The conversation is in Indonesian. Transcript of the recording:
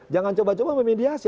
jangan coba coba memediasi